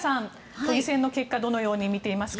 都議選の結果をどう見ていますか？